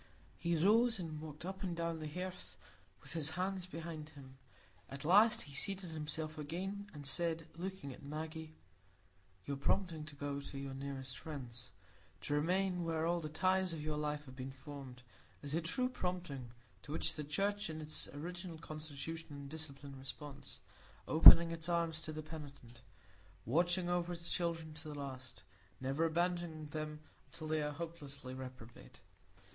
He rose, and walked up and down the hearth with his hands behind him. At last he seated himself again, and said, looking at Maggie,— "Your prompting to go to your nearest friends,—to remain where all the ties of your life have been formed,—is a true prompting, to which the Church in its original constitution and discipline responds, opening its arms to the penitent, watching over its children to the last; never abandoning them until they are hopelessly reprobate.